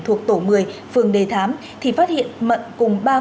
thuộc tổ một mươi phường đề thám thì phát hiện mận cùng ba phụ nữ